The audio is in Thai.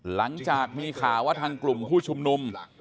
หลังจากมีข่าวว่าทางกลุ่มผู้ชุมนุม